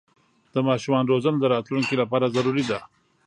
د ماشومانو روزنه د راتلونکي لپاره ضروري ده.